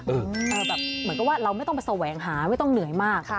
เหมือนกับว่าเราไม่ต้องไปแสวงหาไม่ต้องเหนื่อยมาก